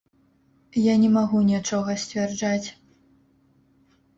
Я не магу нічога сцвярджаць.